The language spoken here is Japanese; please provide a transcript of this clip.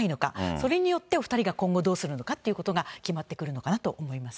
それによってお２人が今後、どうするのかということが決まってくるのかなと思います。